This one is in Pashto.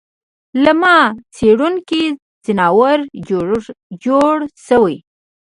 له ما څېرونکی ځناور جوړ شوی